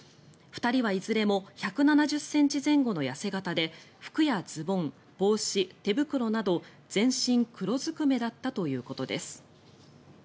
２人はいずれも１７０ｃｍ前後の痩せ形で服やズボン、帽子、手袋など全身黒ずくめだったということです。